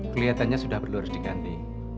keliatannya sudah perlu diganti